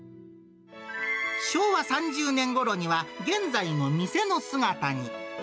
昭和３０年ごろには、現在の店の姿に。